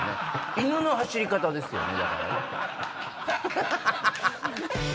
犬の走り方ですよね。